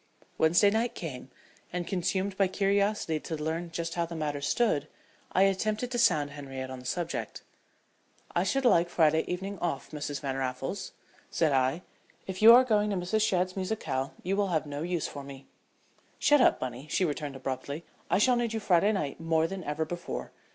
Wednesday night came, and, consumed by curiosity to learn just how the matter stood, I attempted to sound Henriette on the subject. "I should like Friday evening off, Mrs. Van Raffles," said I. "If you are going to Mrs. Shadd's musicale you will have no use for me." "Shut up, Bunny," she returned, abruptly. "I shall need you Friday night more than ever before.